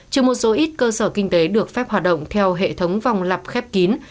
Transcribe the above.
trừ một số ít cơ sở kinh tế được phép hoạt động theo hệ thống vòng lập khép kín